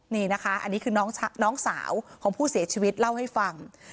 นี่นะคะอันนี้คือน้องสาวของผู้เสียชีวิตเล่าให้ฟัง